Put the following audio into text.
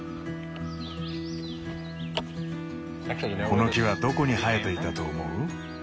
この木はどこに生えていたと思う？